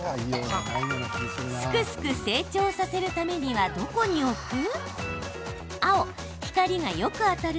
すくすく成長させるためにはどこに置く？